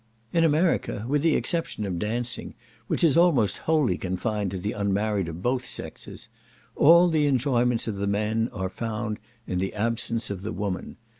In America, with the exception of dancing, which is almost wholly confined to the unmarried of both sexes, all the enjoyments of the men are found in the absence of the women.